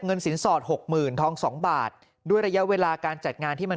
สินสอดหกหมื่นทองสองบาทด้วยระยะเวลาการจัดงานที่มัน